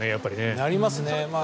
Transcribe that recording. なりますね。